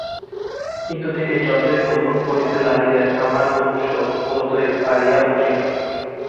কিন্তু তিনি যতই গোপন করিতে লাগিলেন, আমার ঔৎসুক্য ততই বাড়িয়া উঠিল।